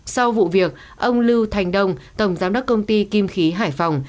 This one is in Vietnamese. sau vụ việc ông lưu thành đồng tổng giám đốc công ty kim khí hải phòng